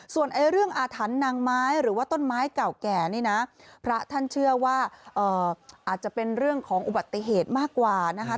ส่วนเรื่องอาถรรพ์นางไม้หรือว่าต้นไม้เก่าแก่นี่นะพระท่านเชื่อว่าอาจจะเป็นเรื่องของอุบัติเหตุมากกว่านะคะ